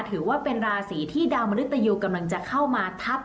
ถือว่าเป็นราศีที่ดาวมนุษยูกำลังจะเข้ามาทับ